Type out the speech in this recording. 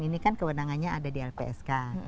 ini kan kewenangannya ada di lpsk